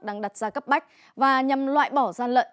đang đặt ra cấp bách và nhằm loại bỏ gian lận